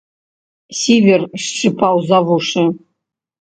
Сівер шчыпаў за вушы.